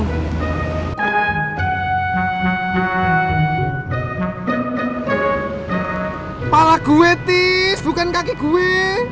kepala gue tis bukan kaki gue